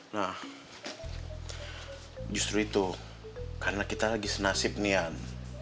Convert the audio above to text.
nah justru itu karena kita lagi senasib nian